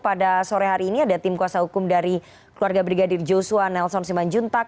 pada sore hari ini ada tim kuasa hukum dari keluarga brigadir joshua nelson simanjuntak